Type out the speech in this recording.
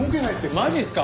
マジっすか？